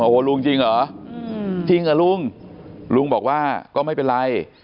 โอ้โหลุงจริงเหรอจริงเหรอลุงลุงบอกว่าก็ไม่เป็นไร